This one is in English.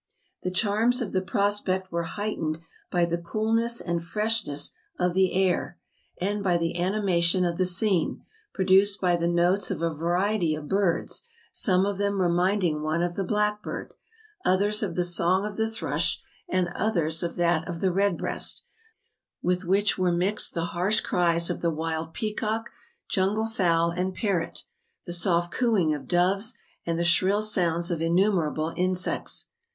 The charms of the prospect were heightened by the coolness and freshness of the air, and by the animation of the scene, produced by the notes of a variety of birds, some of them 238 MOUNTAIN ADVENTURES. reminding one of the blackbird, others of the song of the thrush, and others of that of the red breast; with which were mixed the harsh cries of the wild peacock, jungle fowl, and parrot, the soft cooing of doves, and the shrill sounds of innumerable insects.